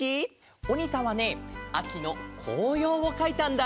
おにいさんはねあきのこうようをかいたんだ！